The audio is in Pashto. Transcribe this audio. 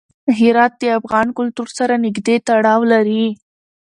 هرات د افغان کلتور سره نږدې تړاو لري.